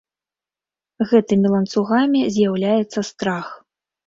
Гэтымі ланцугамі з'яўляецца страх.